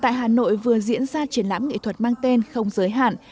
tại hà nội vừa diễn ra triển lãm nghệ thuật mang tên không giới hạn